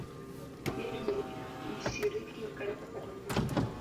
Yeye ni mshiriki wa Kanisa Katoliki.